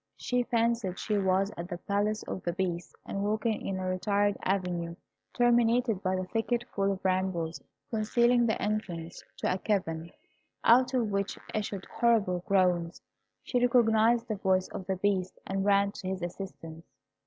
She fancied she was at the Palace of the Beast, and walking in a retired avenue, terminated by a thicket full of brambles, concealing the entrance to a cavern, out of which issued horrible groans. She recognised the voice of the Beast, and ran to his assistance.